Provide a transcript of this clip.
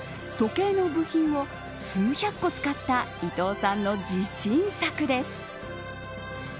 時計の部品を数百個使った伊藤さんの自信作です。